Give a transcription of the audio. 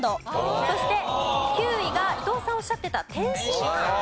そして９位が伊藤さんおっしゃっていた天津飯でした。